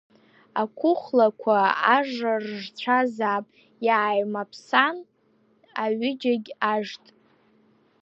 Ақәыхәлақәа ажра ржцәазаап, иааимаԥсан, аҩыџьагь ажт.